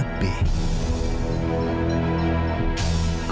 kita pengen beingsih